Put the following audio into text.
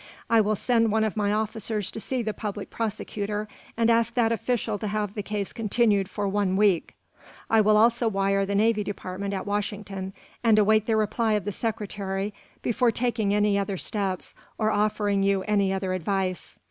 I will send one of my officers to see the public prosecutor, and ask that official to have the case continued for one week. I will also wire the Navy Department at Washington, and await the reply of the Secretary before taking any other steps or offering you any other advice.